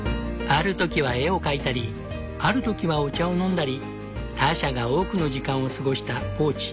ある時は絵を描いたりある時はお茶を飲んだりターシャが多くの時間を過ごしたポーチ。